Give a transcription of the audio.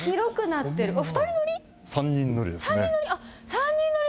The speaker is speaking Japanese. ３人乗り？